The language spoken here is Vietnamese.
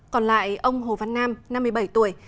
còn lại ông hồ văn nam năm mươi bảy tuổi